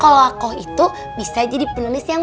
lagian benar yang mama bilang